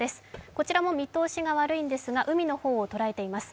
こちらも見通しが悪いんですが、海の方を捉えています。